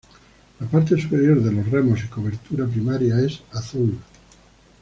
La parte superior de los remos y cobertura primaria es azul.